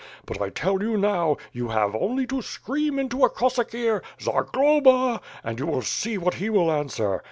But I tell you, now, you have only to scream into a Cossack ear, ^Zagloba/ and you will see what he will answer.